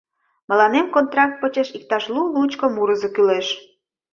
Мыланем контракт почеш иктаж лу-лучко мурызо кӱлеш.